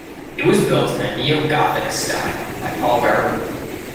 It was built in a neo-Gothic style by Paul Reber.